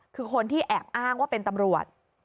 คือคนที่แอบอ้างว่าเป็นตำรวจ